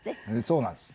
そうなんです。